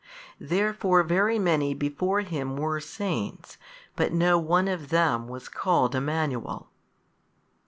Therefore very many before Him were saints but no one of them was called Emmanuel.